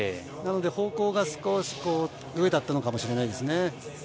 なので、方向が少し上だったのかもしれないですね。